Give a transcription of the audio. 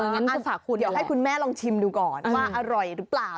เดี๋ยวให้คุณแม่ลองชิมดูก่อนว่าอร่อยหรือเปล่า